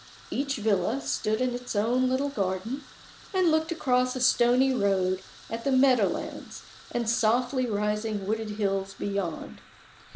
Each villa stood in its own little garden, and looked across a stony road at the meadow lands and softly rising wooded hills beyond.